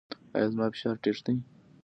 ایا زما فشار ټیټ دی؟